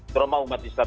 terima umat istilah